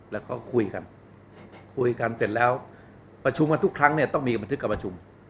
แล้วก็คุยกันคุยกันเสร็จแล้วประชุมกันทุกครั้งเนี่ยต้องมีบันทึกการประชุม